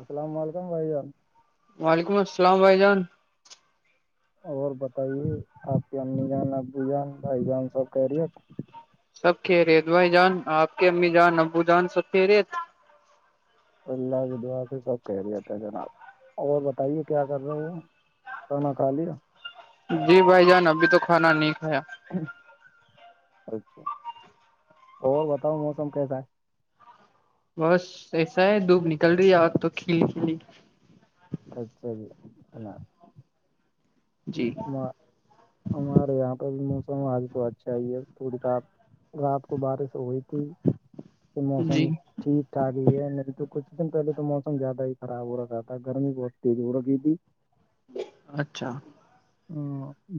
السلام علیکم بھائی جان وعلیکم السلام بھائی جان اور بتائیے آپ کی امی جان ابو جان بھائی جان سب کہ ریٹ سب کھہ رہے تھ بھائی جان آپ کے امی جان ابو جان سب کھی رہے اللہ کےدعا سے سب کہہ دیا تھا جناب اور بتائیے کیا کر رہے ہیں کرنا کا لیا جی بھائی جان ابھی تو کھانا نہیں کھایا اچھا اور بتاؤ موسم کیسا ہے بس ایسا ہے دھوپ نکل رہی آات تو کھیلی کلی اچھا جی ہم ہمارے یہاں پہ بھی موسم آج تو اچھا ہی ہے تھوڑی رات رات کو بارش ہوئی تو جی موسم ٹھیک ٹھاک ہی ہے نہیںری تو کچھ دن پہلے تو موسم زیادہ ہی خراب ہو رہا تھا گرمی بہت تیز ہو رہی تھی اچھا ہ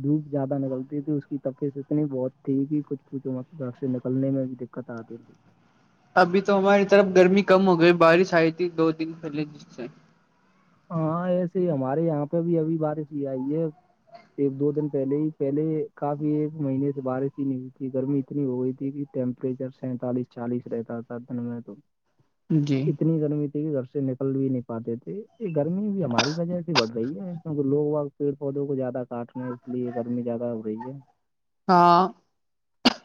دھوپ زیادہ نکلتی تھی اس کی تفیعت اتنی بہت تھی کہ کچھ کچھ مت گھر سے نکلنے میں بھی کتا آ ابھی تو ہماری طرف گرمی کم ہو گئی بارش آئی تھی دو دن پہلے جس سے ہاں ایسے ہی ہمارے یہاں پہ بھی ابھی بارش ہی آئی ہے ایک دو دن پہلے ہی پہلے کافی ایک مہینے سے بارش ہی نکلی تھی گرمی اتنی ہو گئی تھی کہ ٹیمپریچر سینتالیس چالیس رہتا تھا دن میں تو جی اتنی گرمی تھی کہ گھر سے نکل بھی نہیں پاتے تھے یہ گرمی بھی ہماری وجہ سے بڑ رہی ہے کیکہ لوگ پیڑ پودوں کو زیادہ کاٹ رہ میں اس لیے گرمی زیادہ ہو رہی ہے ہاں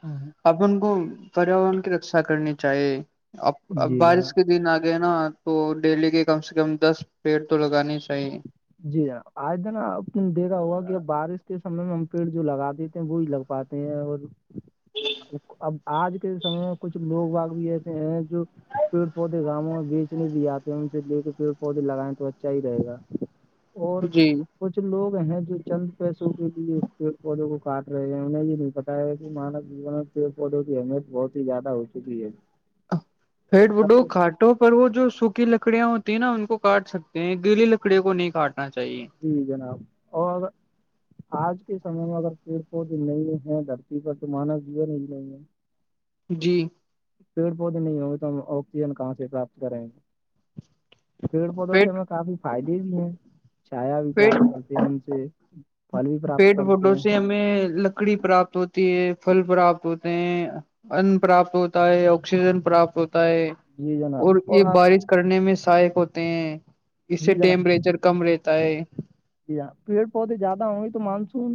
ہاں، اپن کو پریاورن کی رکشا کرنی چاہیے اب ا جی بارش جناب کے دن آ ل نا تو ڈیلی کے کم سے کم دس پیڑ تو لگانے ہی چاہیے جی جنا آج ج نا نے دیکھا ہوگا کہ بارش کے سے میں ہم پیڑ جو لگا دیتے ہیں وہی لگ پاتے ہیں اور اب آج کے سمے میں کچھ لوگ واگ بھی ایسے ہیں جو پیڑ پودے گاؤوں میں بیچنے بھی آتے ہیں ان سے لے کے پیڑ پودے لگائیں تو اچھا ہی رہے گا اور جی کچھ لوگ ہیں جو چند پیسوں کے لیے اس پی والگ کاٹ رہے ہیں انہیں یہ نہیں بتایا کہ مانو جین میں پیڑ پودوں کی اہمیت بہت ہی زیادہ ہو چکی ہے فڈ بڈو اگر کاٹ وں پر وہ جو سوکھی لکڑیاں ہوتی ہیں نا ان کو کاٹ سکتے ہیں گیلی لکڑیوں کو نہیں کاٹنا چاہیے جی جناب اور آج کے سمے میں اگر پیڑ پود نہیں ہے دھرتی کا تو مانو جون ہی نہیں ہے جی پیڑ پودے نہیں ہوں گے تو ہم آکسیجن کہاں سے پراپت کریں گے پیڑ پودوں سے پیٹ ہمیں کافی فائدے بھی ہیں چایا بھی پیٹ پراپت کرتے ہیں ان سے پھل بھی پراپت کرتے ہیں میں لکڑی پراپت ہوتی ہے پھل پراپت ہوتے ہیں ان پراپت ہوتا ہے آکسیجن پراپت ہوتا ہے جی جناب اور یہ آپ بارش کرنے میں سہایک ہوتے ہیں اس سے جی جناب ٹیمپریچر کم رہتے ت جی ہاں پیڑ پودے زیادہ ہوں گی تو مانسون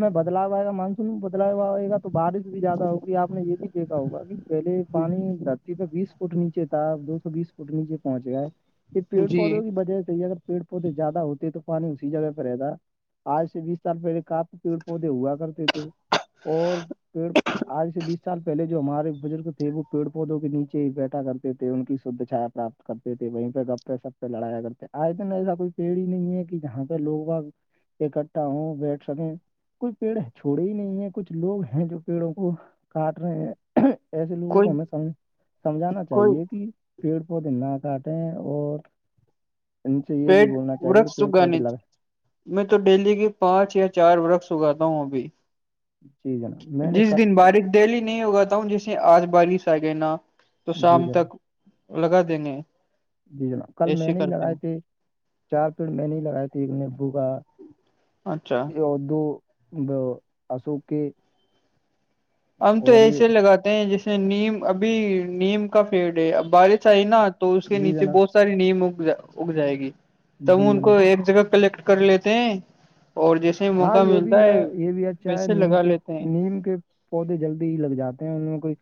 میں بدلاؤ آئے گا مانسون میں بدلاؤ آئے گا تو بارش بھی زیادہ ہوگی آپ نے یہ بھی دیکھا ہوگا پہلے پانی دھرتی پہ بیس فٹ نیچے تھا دو سو بیس فٹ نیچے پہنچ گئے یہ پیڑ جی پودوں کی وجہ سے ہی اگر پیڑ پودے زیادہ ہوتے تو پانی اسی جگہ پہ رہتا آج سے بیس سال پہلے کاپ پیڑ پودے ہوا کرتے تھے اور پھر آج سے بیس سال پہلے جو ہمارے بزرگ تھے وہ پیڑ پودوں کے نیچے ہی بیٹھا کرتے تھے ان کی شدھ چھایا پراپت کرتے تھے وہیں پہ گپ پے سپ پہ لڑایا کرتے آج دن ایسا کوئی پیڑ ہی نہیں ہے کہ جہاں پہ لوگ آگ اکٹھا ہوں بیٹھ سکیں کوئی پیڑ چھوڑے ہی نہیں ہے کچھ لوگ ہیں جو پیڑوں کو کاٹ رہے ہیں ایسے لوگوں کوئی کو ہمیں سمج سمجھانا کوئی چاہیے کہ پیڑ پودے نہ کاٹے اور ان سے یہ بھی بولنا چاہیے پیڑ سگے پودے لگا میں تو ڈیلی کے پانچ یا چار وورق اگاتا ہوں ابھی جی جناب میں نے جس دن کل بارش دہلی نہیں ہوگاتا ہوں جسے آج بارش آ گیا نا تو جی شام جناب تک لگا دیں گے جی جناب کل میں ایسے نے کرتے لڑائے ہیں تھے چار پیڑ میں نے لگائی تھی ان نے بوکا اچھا یہ دو ا اشوک کے ہم تو اور یہ ایسے لگاتے ہیں جیسے نیم ابھی نیم کا فڈ ہے اب بارش آئی نا تو اس کے جی نیچے جناب بہت ساری نیم اگ اگ جائے گی ت جی ان کو جناب ایک جگہ کلیکٹ کر لیتے ہیں اور جیسے ہی ہاں موقع یہ ملتا بھی ہے یہ بھی اچھا ہے ویسے نیم لگا کے لیتے ہیں نیم کے پودے جلدی ہی لگ جاتے ہیں ان میں کوئی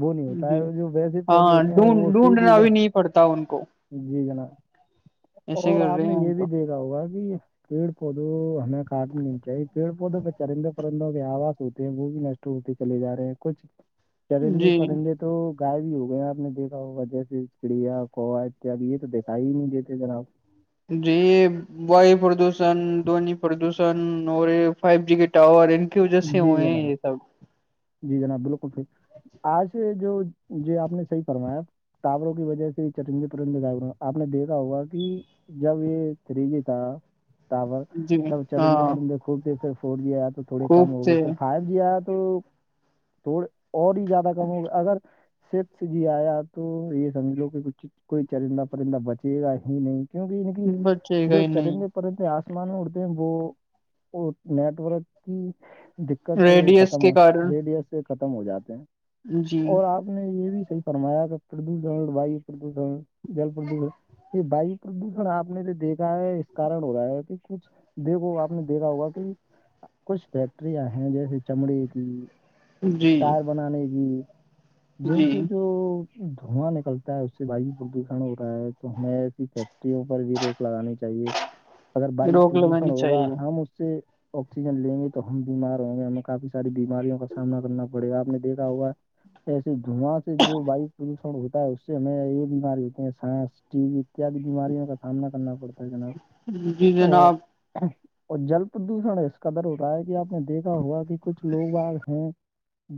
وہ نہیں ہوتا ہے جی جو ویس پودے ہاں ہوتے ہیں وہ ڈھونڈ سوکھ بھی ڈھونڈنا جا نہیں پڑتا ان کو جی جناب ایسے اور کر آپ رہے نے ہیں ہم یہ بھی کو دیکھ جا ہو گا کہ یہ پیڑ پودوں ہمیں کاٹنی چاہیے پیڑ پودوں پ چرندے پرندوں کے آواز ہوتے ہیں وہ بھی نشٹ ہوتے چے جا رہے ہیں کچھ چریندے جی پرندے تو گائےب بھی ہو گئے ہیں آپ نے دیکھا ہو جیسے چڑیا کووا اتیاد یہ تو دکھائی ہی نہیں دیتے نا آپ جی یہ وایو پردوشن دونی پردوشن اور یہ فائیو جی کے ٹاور ان کی وجہ سے جی ہوئے ہیں جناب یہ سب جی جناب بالکل پھر آج جو یہ آپ نے صحیح فمایا تاوروں کی وجہ سے چٹن پن آپ نے دیکھا ہوگا کہ جب یہ تھریجی تھا ٹاور جی تب چرندے ہاں پرندے خوب دیک سر فور جی آیا تو تھوڑے خوب کم ہو گئے سے سر فائیو جی آیا تو توڑ اور ہی زیادہ کم ہوگا اگر سفس جی آیا تو یہ سمجھ لو کہ کچھ کوئی چرندہ پرندہ بچے گا ہی نہیں کیونکہ ان کی بچے جو گئے نہیں چرند پتے آسمان میں اڑتے ہیں وہ نیٹورک کی دقت سے وہ ریڈی ایس ختم کے ہو کارن سے ختم ہو جاتے ہیں جی اور آپ نے یہ بھی صی فرمایا کہ پردوشن لڑائی پردوشن جل پردوشن یہ وایو پردوشن آپ نے جو دیکھا ہے اس کارن ہو رہا ہے کہ کچھ دیکھو آپ نے دیکھا ہوگا کہ کچھ فیکٹریاں ہیں جیسے چمڑی کی جی ٹائر بنانے کی جن جی سے جو دھواں نکلتا ہے اس سے بھائی پردوشن ہو رہا ہے تو ہمیں ایسی فیکٹریوں پر بھی روک لگانی چاہیے اگر وایو روک پردوشن لگانی ہوگا چاہیے ہم اس سے آکسیجن لیں گے تو ہم بیمار ہوں گے ہمیں کافی ساری بیماریوں کا سامنا کرنا پڑے گا آپ نے دیکا ہوا ایسے دھواں سے جو واو پردوشن ہوتا ہے اس سے ہمیں یہ بیمار ہوتے ہیں سانس ٹی احتیاد بیماریوں کا سامنا کرنا پڑتا ہے جناب جی اور جناب اور جل پردوشن اس قدر ہو رہا ہے کہ آپ نے دیکھا ہوا کہ کچھ لوار ہیں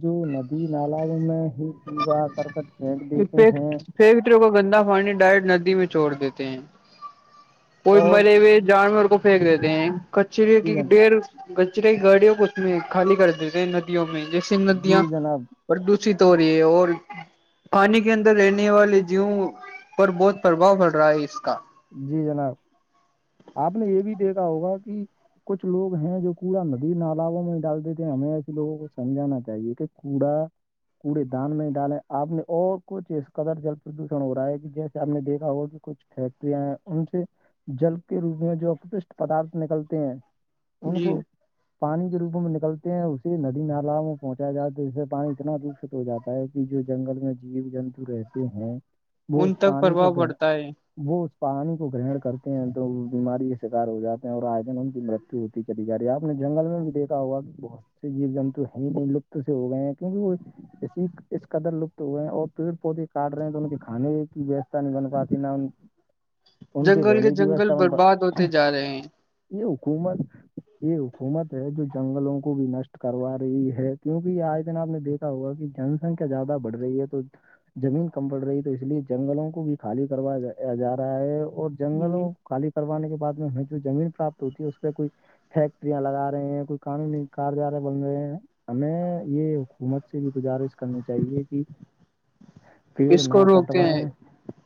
جو ندی نال میں ہی پگا کر کر کیھینک دیتے ہیں پتروں کا گندا پانی ڈائریکٹ ندی میں چھوڑ دیتے ہیں کوئی اور مرے ہوئے جانور کو پھینک دیتے ہیں کچری جی کی جناب ڈھیر کچرے گاڑیوں کو اس میں خالی کر دیتے ہیں ندیوں میں جیسے ندیاں جی جناب پردوشت ہو رہی ہے اور پانی کے اندر رہنے والے جیوں پر بہت پرباؤ پڑ رہا ہے اس کا جی جناب آپ نے یہ بھی دیکھا ہوگا کہ کچھ لوگ ہیں جو کوڑا ندی نالوں میں ڈال دیتے تھے ہمیں ایسے لوگوں کو سمجھانا چاہیے کہ کوڑا کوڑے دان میں ڈالے آپ نے اور کچھ اس قدر جل پردوشن ہو رہا ہے کہ جیسے آپ نے دیکا ہو کہ کچھ فیکٹریاں ہیں ان سے جل کے روپ میں جو اپکشٹ پدارت نکلتے ہیں ان جی کو پانی کے روپ میں نکلتے ہیں اسے ندی نال میں پہنچایا جاتا ہے جس سے پانی اتنا ہو جاتا ہے کہ جو جنگل میں جیو جنتو رہتے ہیں وہ اس پانی کو گ ج وہ اس پانی کو گرہن کرتے ہیں تو وہ بیماری کے شکار ہو جاتے ہیں اور آئے دن ان کی مرت وتی کےدیکاری ہےپ نے جنگل میں بھی دیکا ہوا کہ بہت سے جیو جنت ہے ہی نہیں لطت سے ہو گئے ہیں کیونک وہ اسی اس قدر لپت ہوئے ہیں اور پیڑ پودے کاٹ رہے ہیں تو ان کے کھانے کی ویوستھا نہیں بن پاتی نہ ان کی جنگل کے رہنیتی جنگل ویوھا برباد پر ہوتے جا رہے یہ حکومت یہ حکومت ہے جو جنگلوں کو بھی نشٹ کروا رہی ہے کیونکہ یہ آئے دن آپ نے دیکھ ہوا کہ جن سنکھیا زیادہ بڑ رہی ہے تو زمین کم پڑ رہی ہے تو اس لیے جنگلوں کو بھی خالی کروایا جا رہا ہے اور ہیں جنگلوں خالی کروانے کے بع میں ہمیں جو زمین پراپت ہوتی ہے اس پہ کوئی فیکٹریاں لگا رہے ہیں کوئی قانونی کار جارے بن رہے ہیں ہمیں یہ حکومت سے بھی گزارش کرنی چاہیے کہ پیڑ اس نہ کو روکتے ہیں کٹوائےیں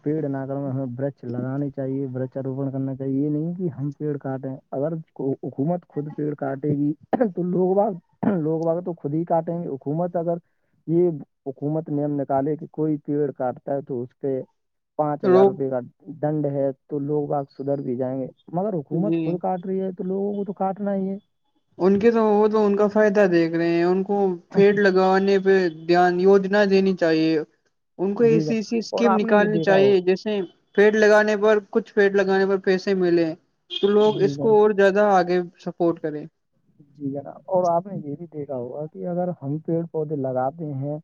پیڑ نہ ہمیں برچ لگانی چاہیے برچاروپن کرنا چاہیے یہ نہیں کہ ہم پیڑ کاٹیں اگر حکومت خود پیڑ کاٹے گی تو لوگ باغ لوگ بگ تو خود ہی کاٹیں گے حکومت اگر یہ حکومت نے ہم نکالے کہ کوئی پیڑ کاٹتا ہے تو اس پہ پانچ ہزار روک روپئے کا دنڈ ہے تو لوگ باگ سدھر بھی جائیں گے مگر حکومت جی خود کاٹ رہ ہے تو لوگوں کو تو کاٹنا ہی ہے ان کے تو وہ تو ان کا فائدہ دیکھ رہے ہیں ان کو پیڈ لگ گنے پہ دھیان یجنا دینی چاہیے ان کو جی ایسی ایسی جناب اور اسکیم آپ نے یہ نکالنی دیکھا چاہیے ہوگا جیسے پیڑ لگانے پر کچھ پیڑ لگانے پر پیسے ملے تو لوگ جی اس کو جناب اور زیادہ آگ سپورٹ کرے جییک ہے نا اور آپ نے یہ بھی دیک ہوگا کہ اگر ہم پیڑ پودے لگاتے ہیں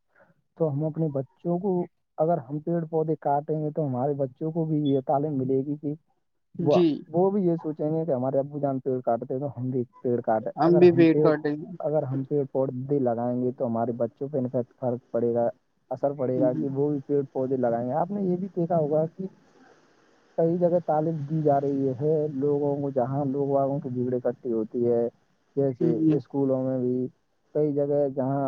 تو ہم اپنے بچوں کو اگر ہم پیڑ پودے کاٹے ہیں تو ہمارے بچوں کو بھی یہ تعلیم ملے گی کہ وہ جی وہ بھی یہ سوچیں گے کہ ہمارے ابو جان پیڑ کاٹتے تو ہم بھی کاٹ اگر بھی ہم پیڑ کاٹیں گے اگر ہم پیڑ بھی لگائیں گی تو ہمارے بچوں پہ انفیکٹ فرق پڑے گا اثر پڑے گا کہ وہ بھی پی پودے لگائے ہیں آپ نے یہ بھی دیکھا ہوگا کہ کئی جگہ تعلیم دی جا رہی ہے لوگوں کو جہاں لوگ واگوں کے بگڑے کے ہوتے ہیں ہے جیسے جی اسکولوں میں بھی کئی جگہ جہاں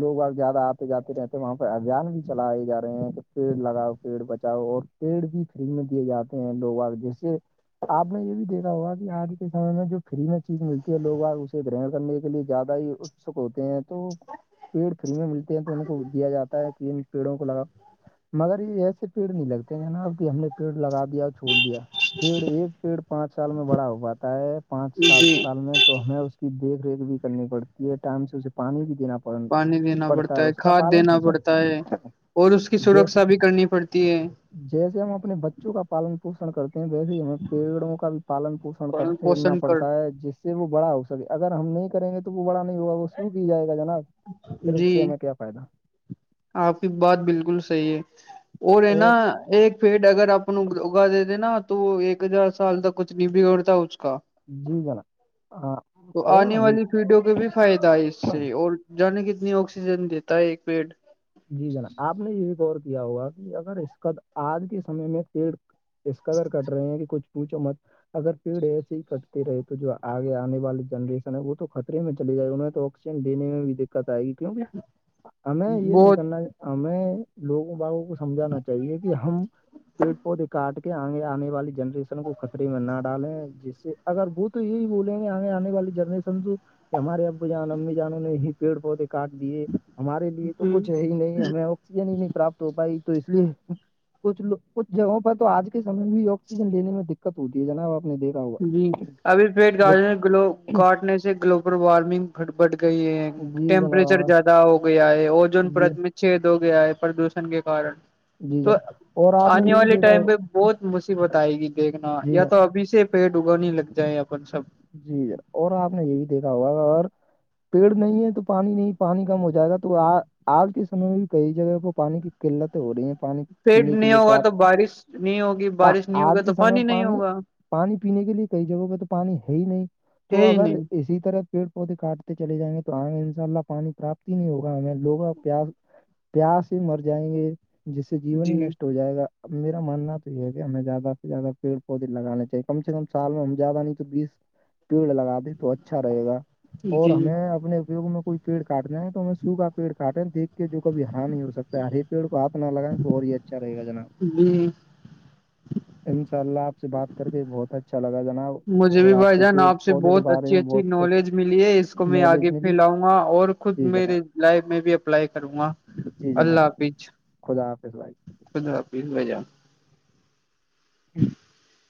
لوگ اب زیادہ آتے جاتے رہتے وہاں پر ابھیان بھی چلائے جا رہے ہیں کہ پیڑ لگاؤ پیڑ بچاؤ اور پیڑ بھی فری میں دیے جاتے ہیں لوگ اب جیسے آپ نے یہ بھی دیکھا ہوگا کہ آج کے سے میں جو فری میں چیز ملتی ہے لوگ ا اسے گرن کرنے کے لیے زیادہ ہی اتسک ہوتے ہیں تو پیڑ فری میں ملتے ہیں تو ان کو دیا جاتا ہے کہ پیڑوں کو لگا مگر یہ ایسے پیڑ نہیں لگتے ہیں ن نا اب کہ ہم نے پیڑ لگا دیا اور چھوڑ دیا پیڑ یہ پیڑ پانچ سال میں بڑا ہو پاتا ہے پانچ سال جی میں تو ہمیں اس کی دیکھ ریکھ بھی کرنی پڑتی ہے ٹائم سے اسے پانی بھی دینا پڑتا پڑ پانی دینا پڑتا ہے اس کا کھاد پالن دینا پوشن پڑتا ہے اور اس کی جے سرکشا بھی کرنی پڑتی ہے جیسے ہم اپنے بچوں کا پالن پوشن کرتے ویسے ہی ہمیں پیڑوں کا بھی پالن پوشن کرتےنا پوشن کر پڑتا ہے جس سے وہ بڑا ہو سکے اگر ہم نہیں کریں گے تو وہ بڑا نہیں ہوگا وہ سو کی جائے گا جناب پھر اس سے جی ہمیں کیا فائدہ آپ کی بات بالکل صحی ہے اور ہے نا ایک پیڈ اگر اپپ اگا د د نا تو وہ ایک ہزار سال تک کچھ نہیں بگڑتا اس کا جی جناب ہاں تو اور آنے والی ہم پیڑوں کو بھی فائدہ ہے اس سے اور جانے کتنی آکسیجن دیتا ہے ایک بیڈ جی جناب آپ نے یہ بھی غور کیا ہوگا کہ اگر اس کا آج کے سمے میں پیڑ اس قدر کرٹ رہے ہیں کہ کچھ پوچھو مت اگر پیڑ ایسے ہی کٹتی رہے تو جو آگے آنے والی جنریشن ہے وہ تو خطرے میں چلی جائے ان میں تو دینے میں بھی دقت آئے گی کیوں ہمیں یہ نہیں بہت کرنا ہمیں لوگوں بگوں کو سمجھانا چاہیے کہ ہم پیڑ پودے کاٹ کے آگے آنے والی جنریشن کو خطرے میں نہ ڈالیں جس سے اگر وہ تو یہی بولیں گے آ آنے والی جنریشن جو کہ ہمارے ابو جان امی جانوں نے ہی پیڑ پودے کاٹ دیے ہمارے لیے تو کچھ ہے ہی نہیں ہمیں آکسیجن ہی نہیں پراپت ہو پائی تو اس لیے کچھ کچھ جگہوں پر تو آج کے سے بھی آکسیجن لینے میں دقت ہوتی ہے جنا وہ اپنے د جی ابھی پیٹ گاڑ میں کاٹنے سے گلوبل وارمنگ بٹ گئی ہے جی جناب ٹیمپریچر ہاں زیادہ ہو گیا ہے اوجون جی پرت میں چھید ہو گیا ہے پردوشن کے کارن جی تو جناب اور آپ نے آنے یہ بھی والے دیکھا ٹائم ہو پہ بہت مصیبت آئے گی دیکھنا جی یا جناب تو ابھی سے پیٹ اگا نہیں لگ جائےیں اپن سب جیر اور آپ نے یہ بھی دیکھا ہوگا اور پیڑ نہیں ہے تو پانی نہیں پانی کم ہو جائے گا تو آج کے سم میں بھی کئی جگہ کو پانی کی کیلا تو ہو رہی ہیں پانی پیٹ پینے کے نہیں لیے ہوگا تو پرپت بارش نہیں ہوگی بارش نہیں آج ہوگا تو کے سمے نہیں پانی ہوگا پانی پینے کے لیے کئی جگہوں پہ تو پانی ہے ہی نہیں تو ہے ہی اگر نہیں اسی طرح پیڑ پودے کاٹتے چل جائیں گے تو آئ گے انشاء اللہ پانی پراپت ہی نہیں ہوگا ہمیں لوگ پیاس پیاس ہی مر جائیں گے جس سے جیون ہی جی نشٹ ہو جائے گا اب میرا ماننا تو یہ ہے کہ ہمیں زیادہ سے زیادہ پیڑ پودے لگانے چاہیے کم سے کم سال میں ہم زیادہ نہیں تو بیس پیڑ لگا د تو اچھا رہے گا جی اور ہمیں اپنے اپیوگ میں کوئی پیڑ کاٹنے ہے تو ہمیں سو کا پیڑ کاٹے دیک کے جو کبھی ہرا نہیں ہو سکتا ہے ہرے پیڑ کو آپ نہ لگائیں تو اور یہ چارا یہ گ جنا جی انشاء اللہ آپ سے بات کر کے بہت اچھا لگا جناب مجھے اور بھی آپ سے- بھائی جان پیڑ آپ سے پودوں کے بہت بارے اچھی میں اچھی بہت کچھ نالج ملی ہے اس کو میں نالج آگے ملی پھیلاؤں گا اور خود جی جناب میرے- میں بھی اپلائی کروں گا جی اللہ جناب حافظ خدا حافظ بھائی- خد آپ ب جا ہوں